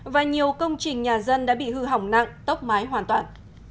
và nhiều công trình nhà dân đã bị hư hỏng nặng tốc mái hoàn toàn